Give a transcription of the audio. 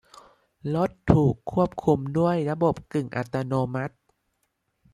รถถูกควบคุมด้วยระบบกึ่งอัตโนมัติ